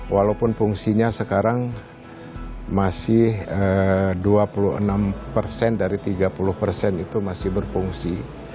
walaupun fungsinya sekarang masih dua puluh enam persen dari tiga puluh persen itu masih berfungsi